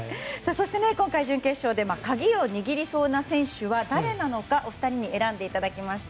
今回準決勝で鍵を握りそうな選手は誰なのかお二人に選んでいただきました。